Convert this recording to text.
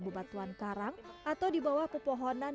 bebatuan karang atau di bawah pepohonan